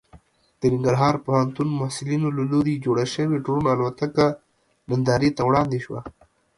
د ننګرهار پوهنتون محصلینو له لوري جوړه شوې ډرون الوتکه نندارې ته وړاندې شوه.